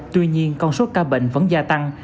tuy nhiên con số ca bệnh vẫn gia tăng